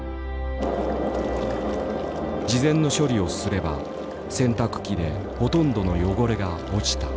事前の処理をすれば洗濯機でほとんどの汚れが落ちた。